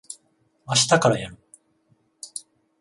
あしたからやる。